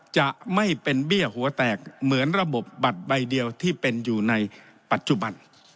จะไม่เป็นเบี้ยหัวแตกเหมือนระบบบัตรใบเดียวที่เป็นอยู่ในปัจจุบัน